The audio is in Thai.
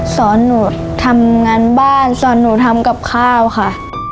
สอนหนูทำงานบ้านสอนหนูทำกับข้าวค่ะ